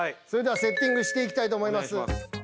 それではセッティングしていきたいと思います